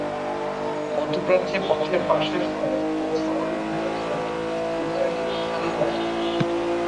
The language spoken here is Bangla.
মধ্যপ্রাচ্যে পথের পাশের সরাই ও শহরের ভেতরের সরাই উভয়কে খান বলা হত।